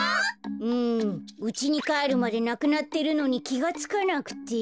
うんうちにかえるまでなくなってるのにきがつかなくて。